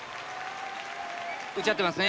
「打ち合ってますね」。